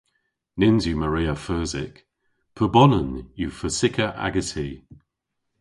Nyns yw Maria feusik. Pubonan yw feusikka agessi.